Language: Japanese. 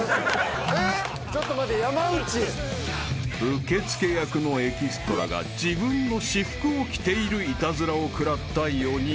［受付役のエキストラが自分の私服を着ているイタズラを食らった４人］